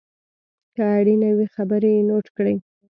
که اړینه وي خبرې یې نوټ کړئ.